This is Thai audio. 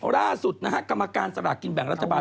ล่าสุดนะฮะกรรมการสลากกินแบ่งรัฐบาล